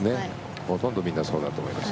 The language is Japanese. ほとんどみんなそうだと思います。